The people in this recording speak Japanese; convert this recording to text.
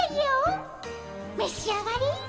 召し上がれ。